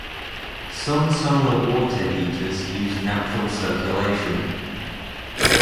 Some solar water heaters use natural circulation.